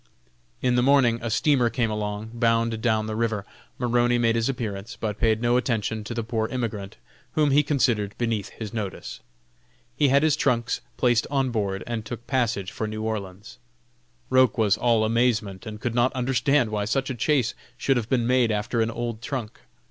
In the morning a steamer came along, bound down the river. Maroney made his appearance, but paid no attention to the poor immigrant, whom he considered beneath his notice. He had his trunks placed on board, and took passage for New Orleans. Roch was all amazement, and could not understand why such a chase should have been made after an old trunk.